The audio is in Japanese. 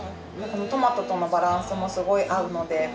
トマトとのバランスもすごい合うので。